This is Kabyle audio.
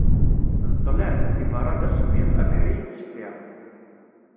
D ṭlam, deg berra d asemmiḍ, abeḥri yettseffir.